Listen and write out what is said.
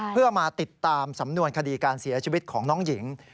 เพื่อมาติดตามสำนวนคดีการเสียชีวิตของน้องหญิง